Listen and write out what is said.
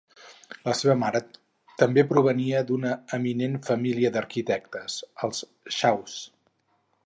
La seva mare també provenia d'una eminent família d'arquitectes, els Shaws.